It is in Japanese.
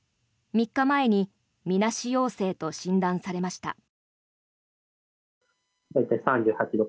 ３日前にみなし陽性と診断されました。